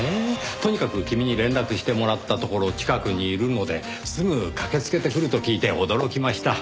とにかく君に連絡してもらったところ近くにいるのですぐ駆けつけてくると聞いて驚きました。